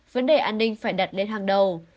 vấn đề an ninh phải đặt lên hàng đầu